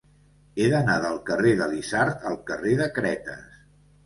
He d'anar del carrer de l'Isard al carrer de Cretes.